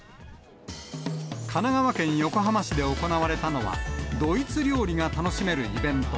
神奈川県横浜市で行われたのは、ドイツ料理が楽しめるイベント。